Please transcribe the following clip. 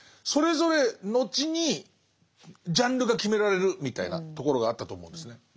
それぞれ後にジャンルが決められるみたいなところがあったと思うんですね。